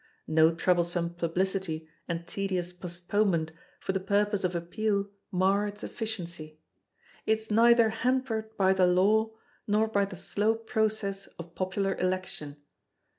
No troublesome publicity and tedious postponement for the purpose of appeal mar its efficiency. It is neither hampered by the Law nor by the slow process of popular election.